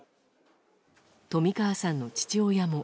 冨川さんの父親も。